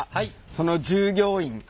その従業員！